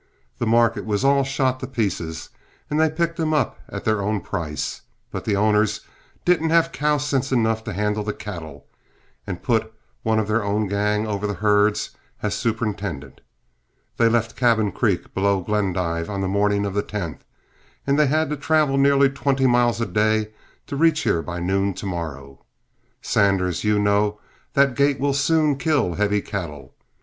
The market was all shot to pieces, and they picked them up at their own price. But the owners didn't have cow sense enough to handle the cattle, and put one of their own gang over the herds as superintendent. They left Cabin Creek, below Glendive, on the morning of the 10th, and they'll have to travel nearly twenty miles a day to reach here by noon to morrow. Sanders, you know that gait will soon kill heavy cattle.